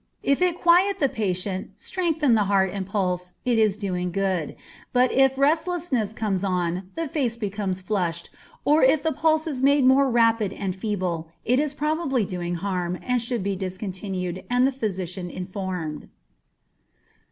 If it quiet the patient, strengthen the heart and pulse, it is doing good; but if restlessness comes on, the face becomes flushed, or if the pulse is made more rapid and feeble, it is probably doing harm, and should be discontinued, and the physician informed.